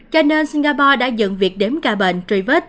cho nên singapore đã dựng việc đếm ca bệnh